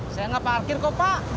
saya nggak parkir kok pak